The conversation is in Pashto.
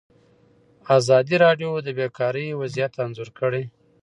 ازادي راډیو د بیکاري وضعیت انځور کړی.